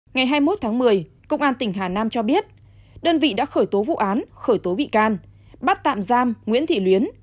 ngày hai mươi một tháng một mươi công an tỉnh hà nam cho biết đơn vị đã khởi tố vụ án khởi tố bị can bắt tạm giam nguyễn thị luyến